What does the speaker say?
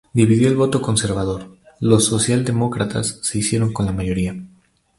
Dividido el voto conservador, los socialdemócratas se hicieron con la mayoría.